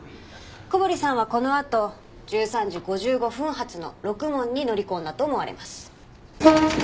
小堀さんはこのあと１３時５５分発のろくもんに乗り込んだと思われます。